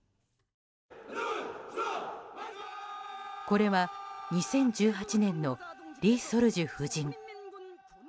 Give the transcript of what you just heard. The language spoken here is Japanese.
これは２０１８年のリ・ソルジュ夫人。